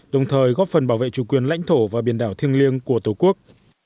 đồng thời góp phần bảo vệ chủ quyền lãnh thổ và biển đảo thiêng liêng của tổ quốc